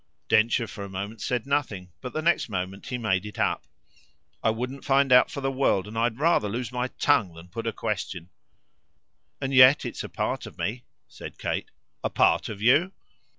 Densher for a moment said nothing; but the next moment he made it up. "I wouldn't find out for the world, and I'd rather lose my tongue than put a question." "And yet it's a part of me," said Kate. "A part of you?"